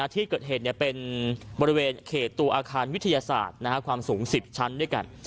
ที่เกิดเหตุเป็นบริเวณเขตตัวอาคารวิทยาศาสตร์ความสูง๑๐ชั้นด้วยกัน